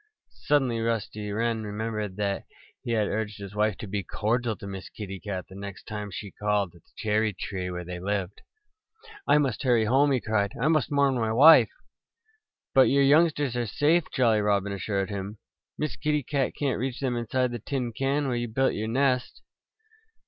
Suddenly Rusty Wren remembered that he had urged his wife to be cordial to Miss Kitty Cat the next time she called at the cherry tree where they lived. "I must hurry home!" he cried. "I must warn my wife." "But your youngsters are safe," Jolly Robin assured him. "Miss Kitty Cat can't reach them inside the tin can where you built your nest."